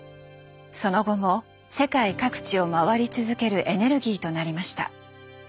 その後も世界各地を回り続けるエネルギーとなりました。